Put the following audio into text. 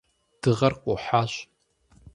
Дыгъэр къухьащ.